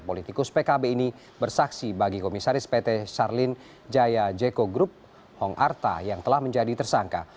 politikus pkb ini bersaksi bagi komisaris pt sharlin jaya jeko group hong arta yang telah menjadi tersangka